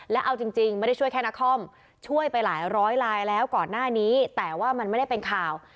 และเอาจริงไม่ได้ช่วยแค่นครช่วยไปหลายร้อยลายแล้วก่อนหน้านี้แต่ว่ามันไม่ได้เป็นข่าว